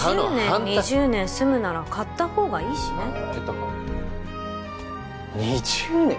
１０年２０年住むなら買った方がいいしねああえっと２０年？